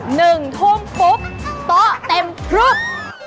หนึ่งทุ่มปุ๊บโต๊ะเต็มพลึบ